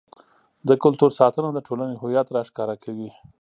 د کلتور ساتنه د ټولنې هویت راښکاره کوي.